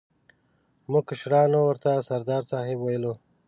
موږ کشرانو ورته سردار صاحب ویلو.